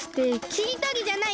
しりとりじゃない！